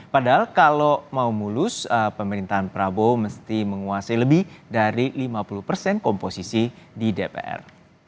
padahal kalau mau mulus pemerintahan prabowo mesti menguasai lebih dari lima puluh persen komposisi di dpr